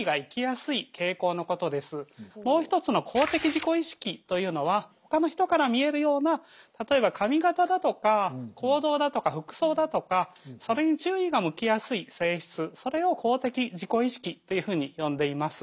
もう一つの公的自己意識というのはほかの人から見えるような例えば髪形だとか行動だとか服装だとかそれに注意が向きやすい性質それを公的自己意識というふうに呼んでいます。